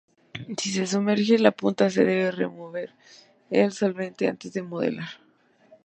Si se sumerge la punta se debe remover el solvente antes de modelar.